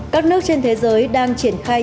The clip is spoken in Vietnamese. các nước trên thế giới đang triển khai